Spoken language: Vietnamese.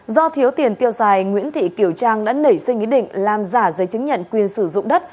do thiếu tiền tiêu xài nguyễn thị kiểu trang đã nảy sinh ý định làm giả giấy chứng nhận quyền sử dụng đất